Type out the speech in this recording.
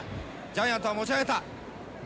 ジャイアントは持ち上げた！